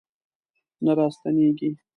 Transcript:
نه راستنیږي